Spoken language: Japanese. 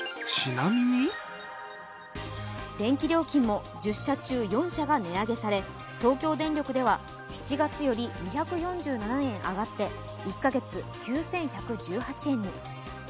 電気料金も１０社中４社が値上げされ東京電力では７月より２４７円上がって１カ月９１１８円に。